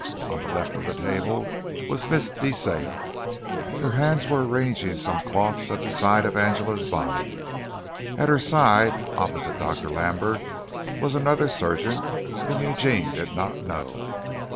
On the left of the table was Miss De Sale. Her hands were arranging some cloths at the side of Angela's body. At her side, opposite Dr. Lambert, was another surgeon whom Eugene did not know.